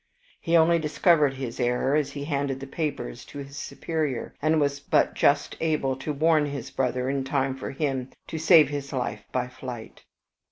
He only discovered his error as he handed the papers to his superior, and was but just able to warn his brother in time for him to save his life by flight.